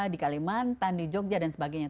di kalimantan di jogja dan sebagainya